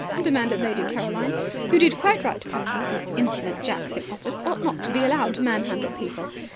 demanded Lady Caroline. "You did quite right, Percy. These insolent jacks in office ought not to be allowed to manhandle people.